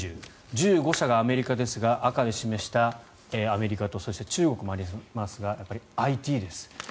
１５社がアメリカですが赤で示したアメリカとそして、中国もありますがやっぱりＩＴです。